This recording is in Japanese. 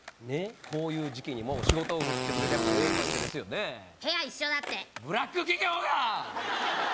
ねっこういう時期にもう仕事を振ってくれるええ会社ですよね部屋一緒だってブラック企業が！